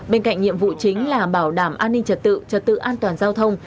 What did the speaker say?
bên cạnh nhiệm vụ chính là bảo đảm an ninh trật tự trật tự an toàn giao thông